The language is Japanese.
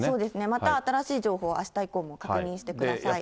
また新しい情報をあした以降も確認してください。